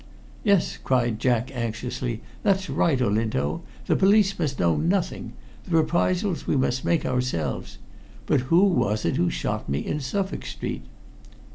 "Yes," cried Jack anxiously. "That's right, Olinto. The police must know nothing. The reprisals we must make ourselves. But who was it who shot me in Suffolk Street?"